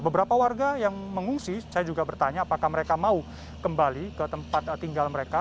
beberapa warga yang mengungsi saya juga bertanya apakah mereka mau kembali ke tempat tinggal mereka